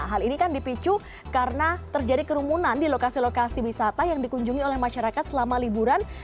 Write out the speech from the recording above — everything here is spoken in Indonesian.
hal ini kan dipicu karena terjadi kerumunan di lokasi lokasi wisata yang dikunjungi oleh masyarakat selama liburan